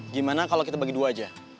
gimana kalau kita bagi dua aja